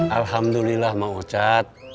alhamdulillah mak wocat